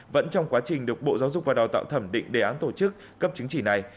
vẫn trong quá trình được bộ giáo dục và đào tạo thẩm định đề án tổ chức cấp chứng chỉ này